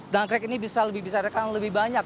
dan krek ini bisa lebih bisa rekan lebih banyak